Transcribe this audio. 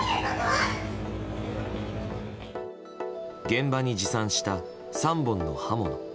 現場に持参した３本の刃物。